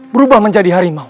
berubah menjadi harimau